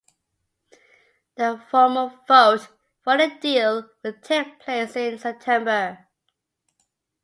The formal vote for the deal will take place in September.